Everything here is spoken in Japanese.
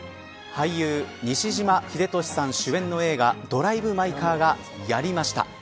俳優、西島秀俊さん主演の映画ドライブ・マイ・カーがやりました。